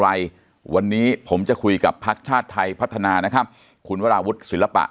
อะไรวันนี้ผมจะคุยกับพักชาติไทยพัฒนานะครับคุณวราวุฒิศิลปะ